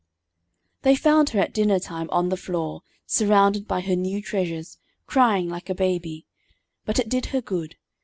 They found her at dinner time on the floor, surrounded by her new treasures, crying like a baby; but it did her good.